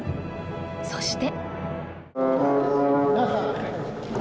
そして。